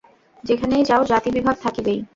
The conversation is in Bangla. যেখানেই যাও, জাতিবিভাগ থাকিবেই।